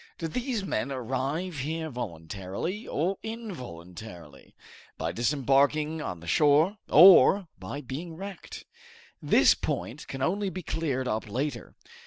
Did these men arrive here voluntarily or involuntarily, by disembarking on the shore or by being wrecked? This point can only be cleared up later.